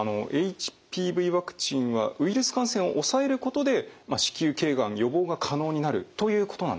ＨＰＶワクチンはウイルス感染を抑えることで子宮頸がん予防が可能になるということなんですね？